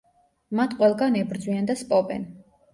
მათ ყველგან ებრძვიან და სპობენ.